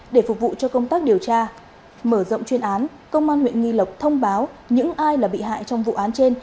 để phục vụ cho công tác điều tra mở rộng chuyên án công an huyện nghi lộc thông báo những ai là bị hại trong vụ án trên